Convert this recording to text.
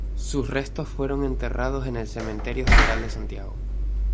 Sus restos fueron enterrados en el Cementerio General de Santiago.